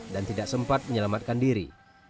dan tidak sempat menyelamatkan diri